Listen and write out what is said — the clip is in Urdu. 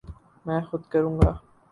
میں خود کروں گا